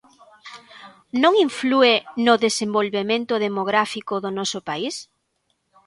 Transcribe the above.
¿Non inflúe no desenvolvemento demográfico do noso país?